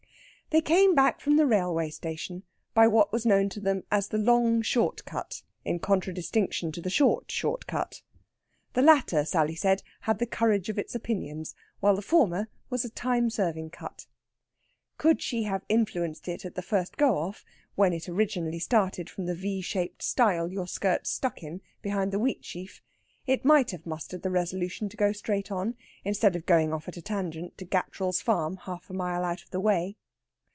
They came back from the railway station by what was known to them as the long short cut in contradistinction to the short short cut. The latter, Sally said, had the courage of its opinions, while the former was a time serving cut. Could she have influenced it at the first go off when it originally started from the V shaped stile your skirts stuck in, behind the Wheatsheaf it might have mustered the resolution to go straight on, instead of going off at a tangent to Gattrell's Farm, half a mile out of the way.